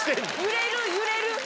揺れる揺れる。